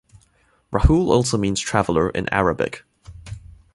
Rahul also means "traveler" in Arabic.